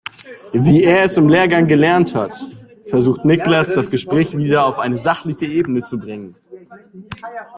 Wie er es im Lehrgang gelernt hat, versucht Niklas das Gespräch wieder auf eine sachliche Ebene zu bringen.